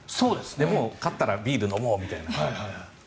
で、勝ったらビール飲もう！みたいな。